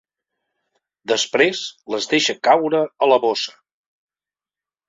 Després les deixa caure a la bossa.